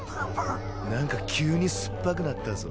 なんか急に酸っぱくなったぞ。